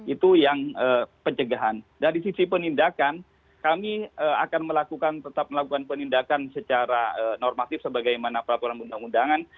itu yang pencegahan dari sisi penindakan kami akan melakukan tetap melakukan penindakan secara normatif sebagaimana peraturan undang undangan